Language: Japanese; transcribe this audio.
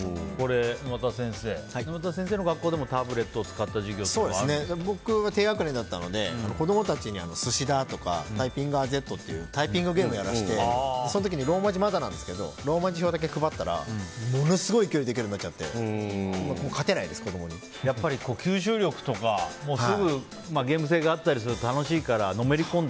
沼田先生の学校でもタブレット使った授業が僕は低学年だったので子供たちに寿司打とかタイピンガーＺというタイピングゲームをやらせてローマ字はまだなんですけど表を配ったらものすごい勢いで打てるようになっちゃって吸収力とかすぐゲーム性があったりすると楽しいからのめりこんで。